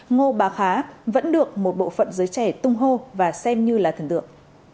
ngô bà khá vẫn được một bộ phận giới trẻ tung hô và xem như là thần tượng